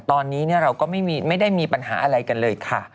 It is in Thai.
ตอนนี้เราก็ไม่ได้มีปัญหาอะไรกันเลยค่ะ